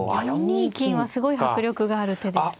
４二金はすごい迫力がある手ですね。